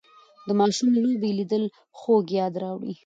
د ماشوم لوبې لیدل خوږ یاد راوړي